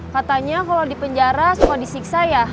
katanya kalau di penjara cuma disiksa ya